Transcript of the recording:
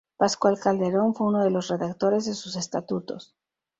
Pascual Calderón fue uno de los redactores de sus estatutos.